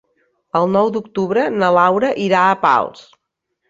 El nou d'octubre na Laura irà a Pals.